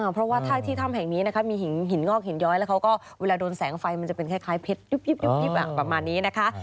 เพราะว่าถ้าที่ถ้ำแห่งนี้นะคะมีหินงอกหินย้อยแล้วเขาก็เวลาโดนแสงไฟมันจะเป็นคล้ายเพชรยุบประมาณนี้นะคะ